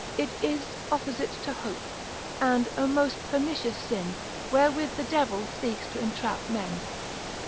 It is opposite to hope, and a most pernicious sin, wherewith the devil seeks to entrap men.